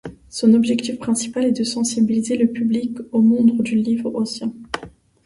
Son objectif principal est de sensibiliser le public au monde du livre ancien.